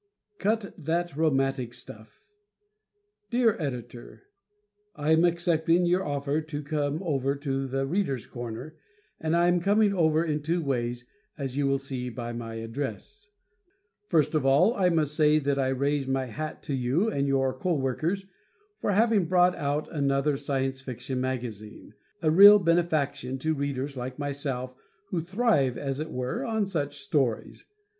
"Cut That Romantic Stuff" Dear Editor: I am accepting your offer to come over to "The Readers' Corner," and am coming over in two ways, as you will see by my address. First of all, I must say that I raise my hat to you and your coworkers for having brought out another Science Fiction magazine a real benefaction to readers like myself who thrive, as it were, on such stories.